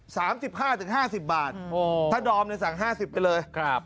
สามสิบห้าถึงห้าสิบบาทโอ้ถ้าดอมเนี่ยสั่งห้าสิบไปเลยครับ